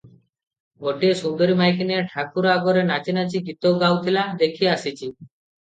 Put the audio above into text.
ଗୋଟିଏ ସୁନ୍ଦରୀ ମାଇକିନିଆ ଠାକୁର ଆଗରେ ନାଚି ନାଚି ଗୀତ ଗାଉଥିଲା, ଦେଖି ଆସିଛି ।